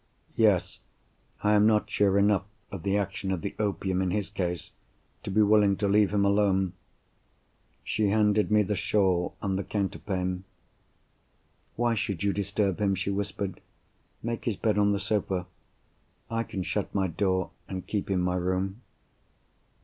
"Yes, I am not sure enough of the action of the opium in his case to be willing to leave him alone." She handed me the shawl and the counterpane. "Why should you disturb him?" she whispered. "Make his bed on the sofa. I can shut my door, and keep in my room."